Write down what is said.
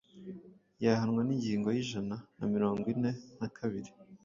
yahanwa n’ingingo y’ijana namirongo ine nakabiri